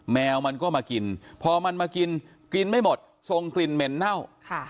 แมวมันก็มากินพอมันมากินกินไม่หมดทรงกลิ่นเหม็นเน่า